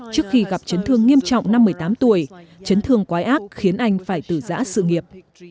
trước khi gặp chấn thương nghiêm trọng năm một mươi tám tuổi chấn thương quái ác khiến anh phải tử giã sự nghiệp